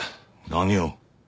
何を？